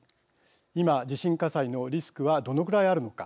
今、地震火災のリスクはどのくらいあるのか